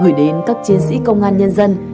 gửi đến các chiến sĩ công an nhân dân